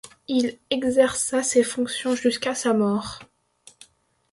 Il exerça ces fonctions jusqu'à sa mort.